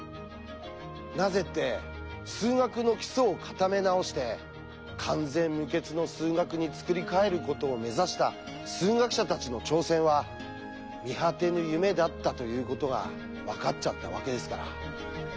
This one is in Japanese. なぜって数学の基礎を固め直して完全無欠の数学に作り替えることを目指した数学者たちの挑戦は見果てぬ夢だったということが分かっちゃったわけですから。